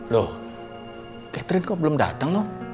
loh catherine kok belum dateng lho